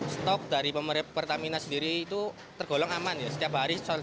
stok dari pemerintah sendiri itu tergolong aman setiap hari